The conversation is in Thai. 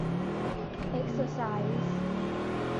เอ็กเซอร์ไซส์